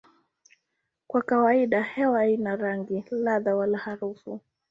Kwa kawaida hewa haina rangi, ladha wala harufu.